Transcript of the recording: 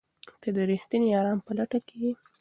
ته د رښتیني ارام په لټه کې یې؟